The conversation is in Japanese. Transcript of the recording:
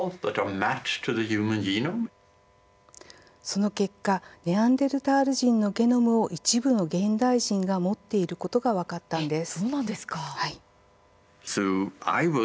その結果ネアンデルタール人のゲノムを一部の現代人が持っていることが分かったんです。